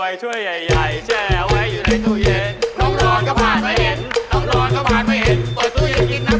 โอ้ยวันนี้เสียดาย